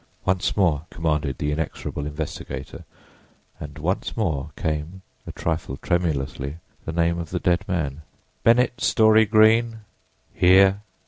"Once more," commanded the inexorable investigator, and once more came—a trifle tremulously—the name of the dead man: "Bennett Story Greene." "Here!"